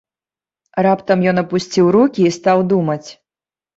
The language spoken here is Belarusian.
Раптам ён апусціў рукі і стаў думаць.